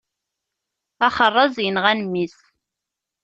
Axeṛṛaz inɣan mmi-s.